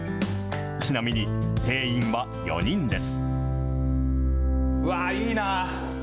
ちなみに定員は４人です。